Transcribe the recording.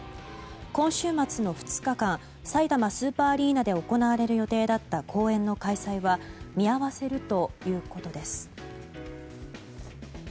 今週末の２日間さいたまスーパーアリーナで行われる予定だった公演の開催は見合わせるということです。